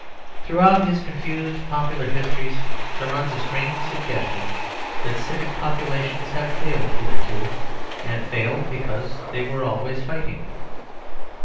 Throughout his confused popular histories, there runs a strange suggestion that civic populations have failed hitherto, and failed because they were always fighting.